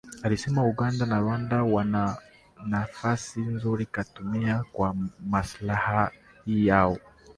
alisema Uganda na Rwanda wana nafasi nzuri ya kutumia kwa maslahi yao